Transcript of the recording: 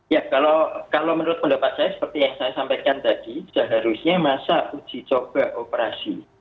ya kalau menurut pendapat saya seperti yang saya sampaikan tadi seharusnya masa uji coba operasi